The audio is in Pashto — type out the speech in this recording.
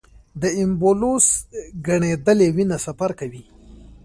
د ایمبولوس ګڼېدلې وینه سفر کوي.